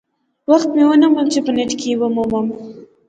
وخت مې ونه موند چې په نیټ کې یې ومومم.